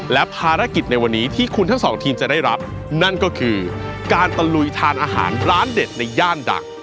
และภารกิจในวันนี้ที่คุณทั้งสองทีมจะได้รับนั่นก็คือการตะลุยทานอาหารร้านเด็ดในย่านดัง